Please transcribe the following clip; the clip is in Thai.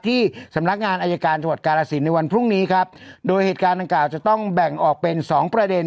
ที่สำนักงานอายการจังหวัดกาลสินในวันพรุ่งนี้ครับโดยเหตุการณ์ดังกล่าวจะต้องแบ่งออกเป็นสองประเด็น